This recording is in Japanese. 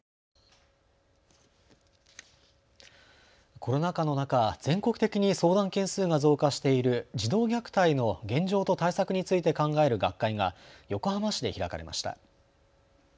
コロナ禍の中、全国的に相談件数が増加している児童虐待の現状と対策について考える学会が横浜市で開かれました。